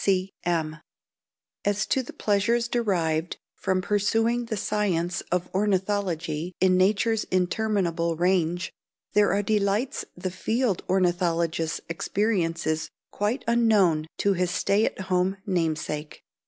C. C. M. As to the pleasures derived from pursuing the science of ornithology in nature's interminable range, there are delights the field ornithologist experiences quite unknown to his stay at home namesake.